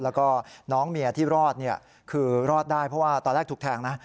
แล้วก็น้องเมียที่รอดเนี่ยคือรอดได้เพราะว่าตอนแรกถูกแทงนะ